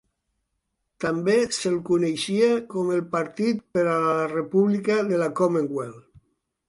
També se'l coneixia com el partit per a la República de la Commonwealth.